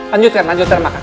lanjutkan lanjutkan makan